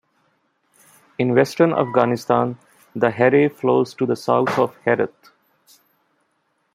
In western Afghanistan the Herey flows to the south of Herat.